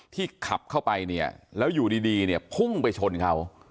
ขับเข้าไปเนี่ยแล้วอยู่ดีเนี่ยพุ่งไปชนเขา